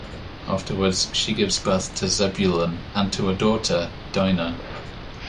Afterwards she gives birth to Zebulun and to a daughter, Dinah.